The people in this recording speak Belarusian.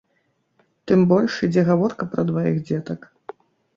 Тым больш, ідзе гаворка пра дваіх дзетак.